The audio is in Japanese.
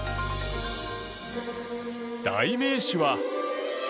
代名詞は。